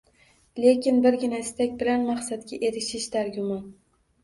Lekin birgina istak bilan maqsadga erishish dargumon